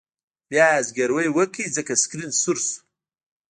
بیا یې زګیروی وکړ ځکه سکرین سور شو